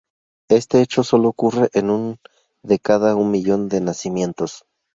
Este hecho sólo ocurre en un de cada millón de nacimientos.